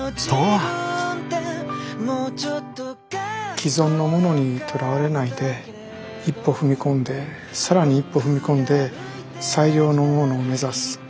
既存のものにとらわれないで一歩踏み込んで更に一歩踏み込んで最良のものを目指す。